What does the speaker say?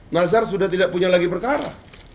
nazar sudah tidak punya lagi perkara